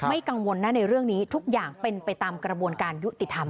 กังวลนะในเรื่องนี้ทุกอย่างเป็นไปตามกระบวนการยุติธรรม